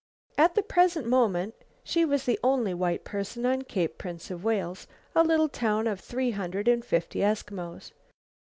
At the present moment, she was the only white person at Cape Prince of Wales, a little town of three hundred and fifty Eskimos.